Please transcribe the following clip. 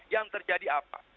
yang terjadi apa